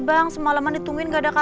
jangan rusak masa depan anak saya